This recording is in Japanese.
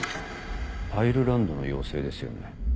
アイルランドの妖精ですよね？